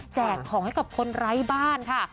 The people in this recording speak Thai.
ของให้กับคนไร้บ้านค่ะ